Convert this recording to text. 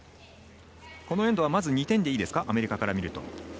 このエンドはまず２点でいいですかアメリカから見ると。